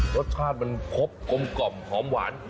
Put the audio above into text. รสชาติมันครบกลมหอมหวาน